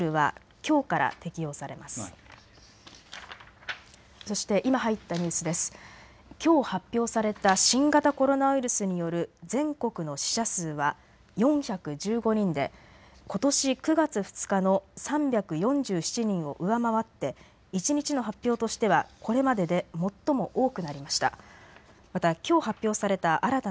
きょう発表された新型コロナウイルスによる全国の死者数は４１５人でことし９月２日の３４７人を上回って一日の発表としてはこれまでで最も多くなりました。